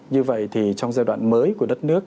như vậy thì trong giai đoạn mới của đất nước